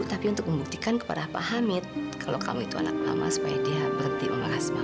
tapi untuk membuktikan kepada pak hamid kalau kamu itu anak lama supaya dia berhenti untuk membahas